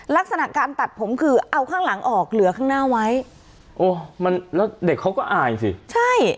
ลักษณะการตัดผมคือเอาข้างหลังออกเหลือข้างหน้าไว้โอ้มันแล้วเด็กเขาก็อายสิใช่